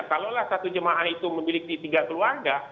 kalau lah satu jemaah itu memiliki tiga keluarga